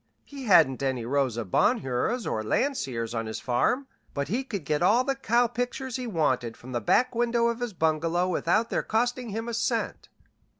He hadn't any Rosa Bonheurs or Landseers on his farm, but he could get all the cow pictures he wanted from the back window of his bungalow without their costing him a cent.